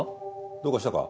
どうかしたか？